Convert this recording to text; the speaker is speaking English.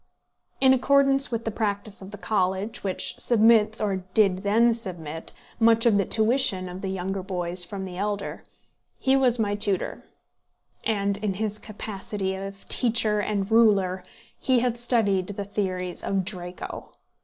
In accordance with the practice of the college, which submits, or did then submit, much of the tuition of the younger boys from the elder, he was my tutor; and in his capacity of teacher and ruler, he had studied the theories of Draco.